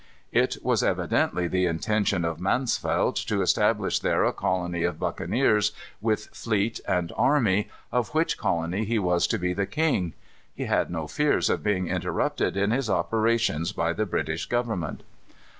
It was evidently the intention of Mansvelt to establish there a colony of buccaneers, with fleet and army, of which colony he was to be the king. He had no fears of being interrupted in his operations by the British Government.